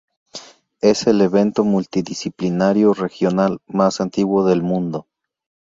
Es el evento multidisciplinario regional más antiguo del mundo.